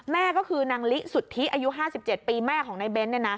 แม่ก็คือนางลิสุทธิอายุ๕๗ปีแม่ของนายเบ้น